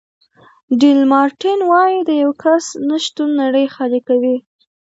ډي لمارټین وایي د یو کس نه شتون نړۍ خالي کوي.